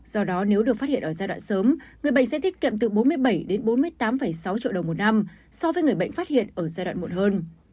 do đó nếu được phát hiện ở giai đoạn sớm người bệnh sẽ tiết kiệm từ bốn mươi bảy đến bốn mươi tám sáu triệu đồng một năm so với người bệnh phát hiện ở giai đoạn muộn hơn